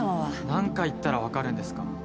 何回言ったらわかるんですか？